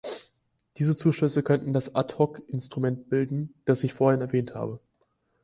Diese Zuschüsse könnten das Ad-hoc-Instrument bilden, das ich vorhin erwähnt habe.